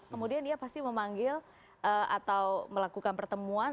kemudian dia pasti memanggil atau melakukan pertemuan